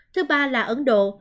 thứ ba là ấn độ